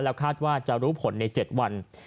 คาดว่าจะรู้ผลใน๗วัน